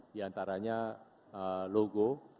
di antaranya logo